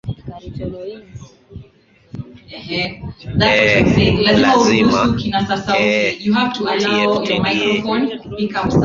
ee lazima ee tfda